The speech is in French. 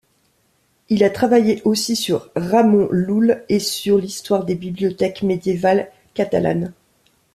Il a travaillé aussi sur Ramon Llull et sur l'histoire des bibliothèques médiévales catalanes.